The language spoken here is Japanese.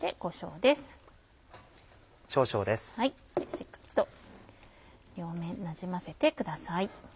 しっかりと両面なじませてください。